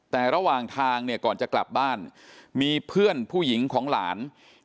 แต่ระหว่างทางเนี่ยก่อนจะกลับบ้านมีเพื่อนผู้หญิงของหลาน